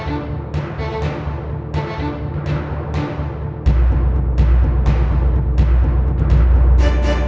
ร้องได้ครับ